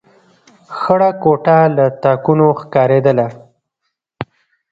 خړه کوټه له تاکونو ښکارېدله.